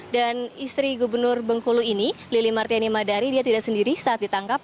dan istri gubernur bengkulu ini lili martiani madari dia tidak sendiri saat ditangkap